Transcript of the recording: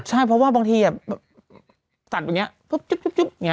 ใช่เพราะว่าบางทีอะสัตว์แบบเนี่ยปุ๊บจุ๊บเนี่ย